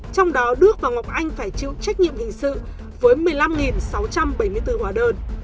trong đó đức và ngọc anh phải chịu trách nhiệm hình sự với một mươi năm sáu trăm bảy mươi bốn hóa đơn